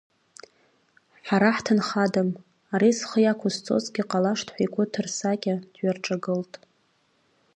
Ҳара ҳҭынхадам, ари зхы иақәызҵогьы ҟалашт ҳәа игәы ҭырсакьа дҩарҿагылт.